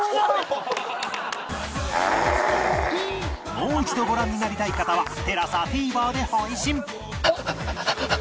もう一度ご覧になりたい方は ＴＥＬＡＳＡＴＶｅｒ で配信